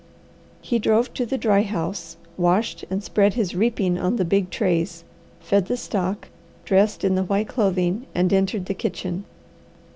He drove to the dry house, washed and spread his reaping on the big trays, fed the stock, dressed in the white clothing and entered the kitchen.